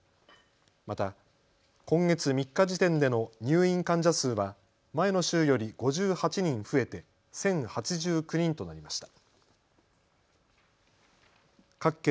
また今月３日時点での入院患者数は前の週より５８人増えて１０８９人となりました。